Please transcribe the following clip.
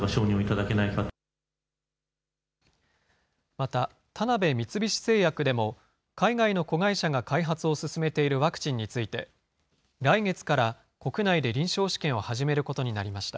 また、田辺三菱製薬でも、海外の子会社が開発を進めているワクチンについて、来月から国内で臨床試験を始めることになりました。